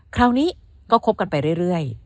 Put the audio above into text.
คราวนี้ก็คบกันไปเรื่อย